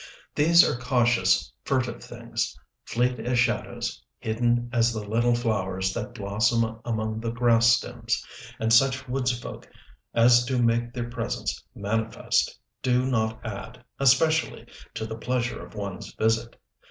These are cautious, furtive things, fleet as shadows, hidden as the little flowers that blossom among the grass stems; and such woodsfolk as do make their presence manifest do not add, especially, to the pleasure of one's visit.